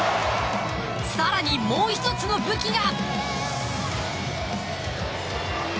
さらにもう一つの武器が。